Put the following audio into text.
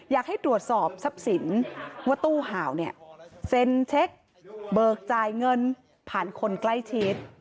อยากให้ตรวจสอบทรัพย์สินว่าตู้ห่าวเนี่ยเซ็นเช็คเบิกจ่ายเงินผ่านคนใกล้ชิด